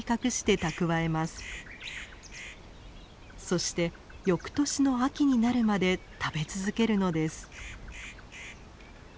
そしてよくとしの秋になるまで食べ続けるのです。